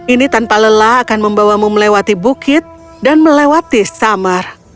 ini tanpa lelah akan membawamu melewati bukit dan melewati summer